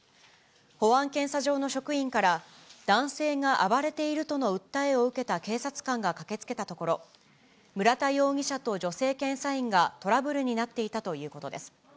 保安検査場の職員から、男性が暴れているとの訴えを受けた警察官が駆けつけたところ、村田容疑者と女性検査員がトラブルになっていたということです。